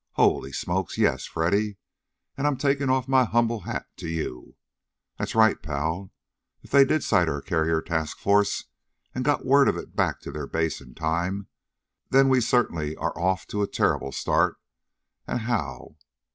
Holy smokes, yes, Freddy! And I'm taking off my humble hat to you. That's right, pal. If they did sight our carrier task force and got word of it back to their base in time, then we certainly are off to a terrible start, and how.